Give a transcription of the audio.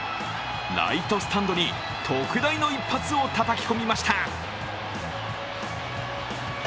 ライトスタンドに特大の一発をたたき込みました。